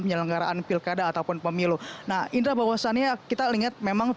penyelenggaraan pilkada ataupun pemilu nah indra bahwasannya kita lihat memang